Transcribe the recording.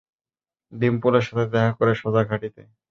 ডিম্পলের সাথে দেখা করে সোজা ঘাঁটিতে।